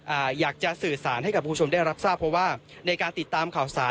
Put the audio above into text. อ่าอยากจะสื่อสารให้กับผู้ชมได้รับทราบเพราะว่าในการติดตามข่าวสาร